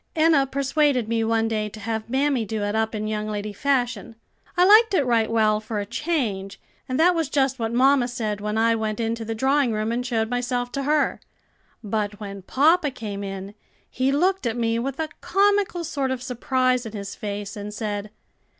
"Enna persuaded me one day to have mammy do it up in young lady fashion. I liked it right well for a change, and that was just what mamma said when I went into the drawing room and showed myself to her. But when papa came in, he looked at me with a comical sort of surprise in his face, and said.